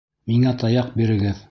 Миңә таяҡ бирегеҙ!